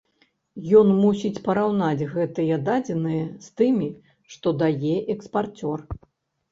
Ён мусіць параўнаць гэтыя дадзеныя з тымі, што дае экспарцёр.